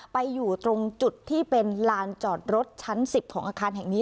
ไปอยู่ตรงจุดที่เป็นลานจอดรถชั้น๑๐ของอาคารแห่งนี้